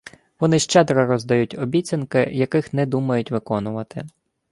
Вони щедро роздають обіцянки, яких не думають виконувати